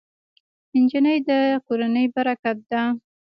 نجلۍ د کورنۍ برکت ده.